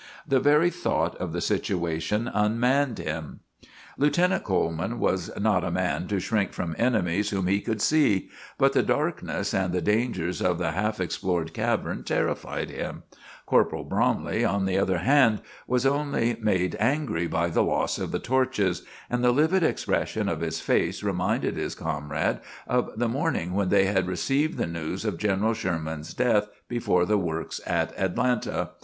The very thought of the situation unmanned him. [Illustration: EXPLORING THE CAVE OF THE BATS.] Lieutenant Coleman was not a man to shrink from enemies whom he could see; but the darkness and the dangers of the half explored cavern terrified him. Corporal Bromley, on the other hand, was only made angry by the loss of the torches; and the livid expression of his face reminded his comrade of the morning when they had received the news of General Sherman's death before the works at Atlanta.